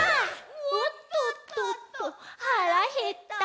「おっとっとっと腹減った」